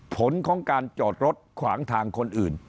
ผลของการจอดรถขวางทางคนอื่น